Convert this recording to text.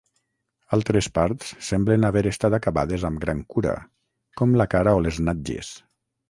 Altres parts semblen haver estat acabades amb gran cura, com la cara o les natges.